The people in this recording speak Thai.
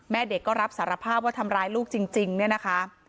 เด็กก็รับสารภาพว่าทำร้ายลูกจริงเนี่ยนะคะ